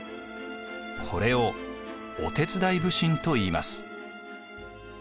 これを御手伝普請といいます。